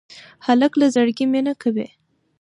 هلک له زړګي مینه کوي.